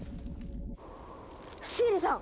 シエリさん！